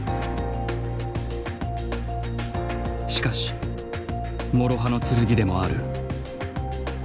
しかし諸刃の剣でもある。